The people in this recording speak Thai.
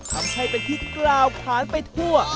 ทำให้เป็นที่กล่าวขานไปทั่ว